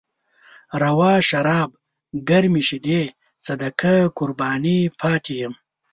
روا شراب، ګرمې شيدې، صدقه قربان پاتې يم